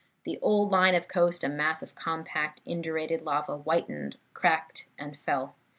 The old line of coast, a mass of compact, indurated lava, whitened, cracked and fell.